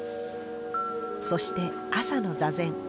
そして朝の座禅。